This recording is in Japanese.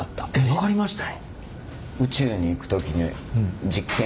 分かりました？